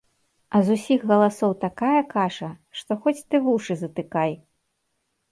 А з усіх галасоў такая каша, што хоць ты вушы затыкай.